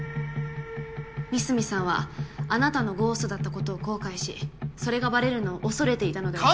三隅さんはあなたのゴーストだったことを「後悔」しそれがバレるのを「恐れ」ていたのでは？